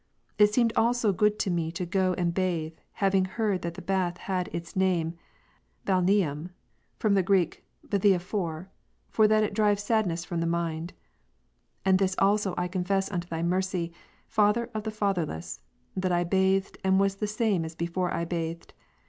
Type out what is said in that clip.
It seemed also good to me to go and bathe, having heard that the bath had its name (balneum) from the Greek /SaXaveiov, for that it drives sadness from the mind. And Ps. 68, 5. tliis also I confess unto Thy mercy. Father of t?ie fatherless, that I bathed, and was the same as before I bathed.